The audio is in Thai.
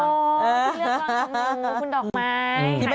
อ๋อเป็นเรื่องวางคนนี้คนดอกไม้